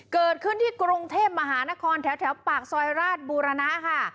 เกิดขึ้นที่กรุงเทพมหานครแถวปากซอยราชบูรณะค่ะ